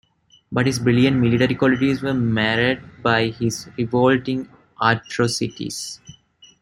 But his brilliant military qualities were marred by his revolting atrocities.